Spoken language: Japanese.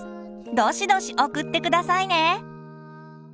どしどし送って下さいね。